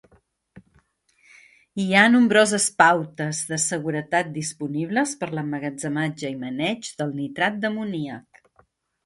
Hi ha nombroses pautes de seguretat disponibles per l'emmagatzematge i maneig del nitrat d'amoníac.